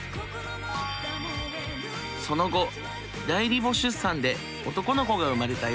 その後代理母出産で男の子が生まれたよ。